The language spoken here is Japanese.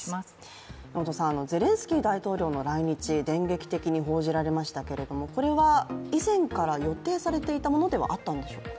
ゼレンスキー大統領の来日電撃的に報じられましたけどこれは以前から予定されていたものではあったんでしょうか？